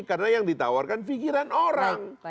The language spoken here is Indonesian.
karena yang ditawarkan pikiran orang